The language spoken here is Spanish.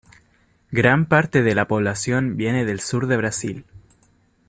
Gran parte de la población viene del Sur de Brasil.